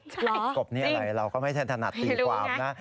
จริงร้อยจริงไม่รู้นะเราก็ไม่แทนถนัดตีความนะ